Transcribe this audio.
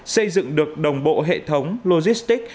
xây dựng được đồng bộ hệ thống logistic